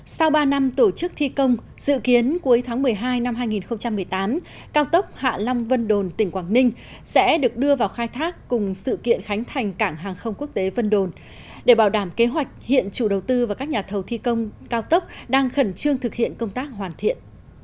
sau ba năm tổ chức thi công dự kiến cuối tháng một mươi hai năm hai nghìn một mươi tám cao tốc hạ long vân đồn tỉnh quảng ninh sẽ được đưa vào khai thác cùng sự kiện khánh thành cảng hàng không quốc tế vân đồn để bảo đảm kế hoạch hiện chủ đầu tư và các nhà thầu thi công cao tốc đang khẩn trương thực hiện công tác hoàn thiện